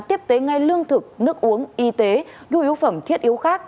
tiếp tế ngay lương thực nước uống y tế nhu yếu phẩm thiết yếu khác